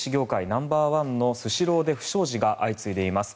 ナンバーワンのスシローで不祥事が相次いでいます。